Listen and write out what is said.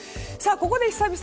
ここで久々！